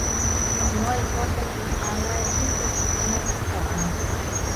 Noʼnó eikó tekihpanaeči tekihpanaeči taʼa.